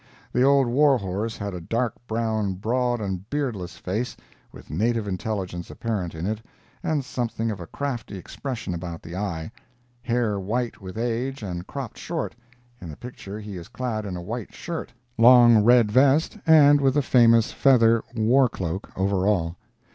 The old war horse had a dark brown, broad and beardless face, with native intelligence apparent in it, and something of a crafty expression about the eye; hair white with age and cropped short; in the picture he is clad in a white shirt, long red vest and with the famous feather war cloak over all.